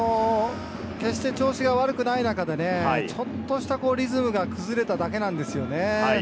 決して調子が悪くない中で、ちょっとしたリズムが崩れただけなんですよね。